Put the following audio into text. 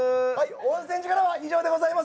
温泉寺からは以上でございます。